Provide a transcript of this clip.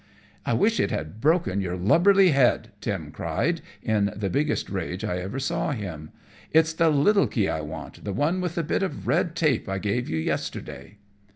"I wish it had broken your lubberly head," Tim cried, in the biggest rage I ever saw him. "It's the little key I want; the one with the bit of red tape I gave you yesterday."